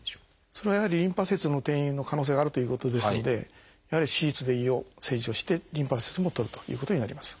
それはやはりリンパ節への転移の可能性があるということですのでやはり手術で胃を切除してリンパ節も取るということになります。